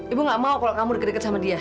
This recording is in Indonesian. ibu gak mau kalau kamu deket deket sama dia